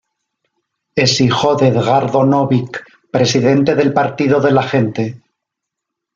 Es hijo de Edgardo Novick, presidente del Partido de la Gente.